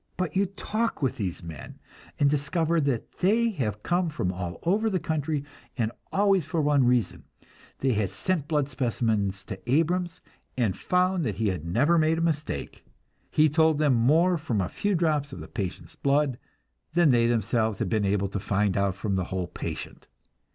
But you talk with these men, and discover that they have come from all over the country, and always for one reason they had sent blood specimens to Abrams, and had found that he never made a mistake; he told them more from a few drops of the patient's blood than they themselves had been able to find out from the whole patient.